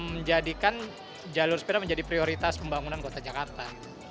menjadikan jalur sepeda menjadi prioritas pembangunan kota jakarta